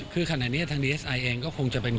คือขณะนี้ทางดีเอสไอเองก็คงจะเป็น